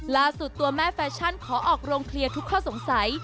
ล่าสุดตัวแม่แฟชั่นขอออกโรงเคลียร์ทุกข้อสงสัย